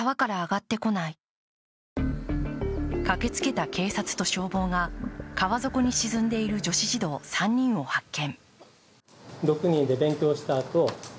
駆けつけた警察と消防が川底に沈んでいる女子児童３人を発見。